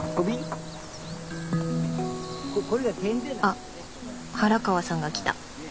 あっ原川さんが来た。